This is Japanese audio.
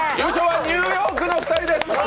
優勝はニューヨークの２人です！